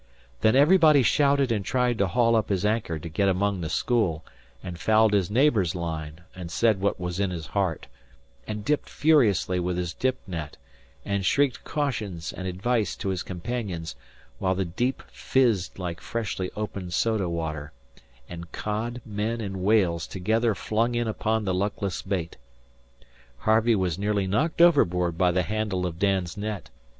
Then everybody shouted and tried to haul up his anchor to get among the school, and fouled his neighbour's line and said what was in his heart, and dipped furiously with his dip net, and shrieked cautions and advice to his companions, while the deep fizzed like freshly opened soda water, and cod, men, and whales together flung in upon the luckless bait. Harvey was nearly knocked overboard by the handle of Dan's net.